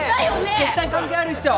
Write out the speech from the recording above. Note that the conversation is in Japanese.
絶対関係あるっしょ！